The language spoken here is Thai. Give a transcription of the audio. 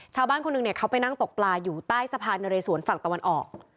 ชาวบ้านคนหนึ่งเนี่ยเขาไปนั่งตกปลาอยู่ใต้สะพานนะเรสวนฝั่งตะวันออก